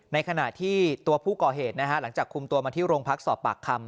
ในขณะที่ตัวผู้ก่อเหตุหลังจากคุมตัวมาที่โรงพักสอบปากคำ